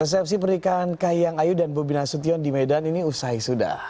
resepsi pernikahan kahiyang ayu dan bobi nasution di medan ini usai sudah